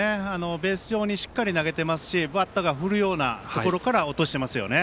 ベース上に投げてますしバッターが振るようなところから落としていますよね。